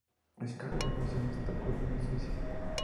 Skarsgård nació en Estocolmo, Suecia.